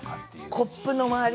コップの周り